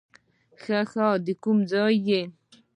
ښه ښه، د کوم ځای یې؟